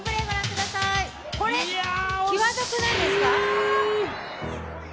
これきわどくないですか？